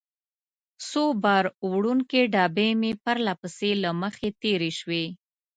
څو بار وړونکې ډبې مې پرله پسې له مخې تېرې شوې.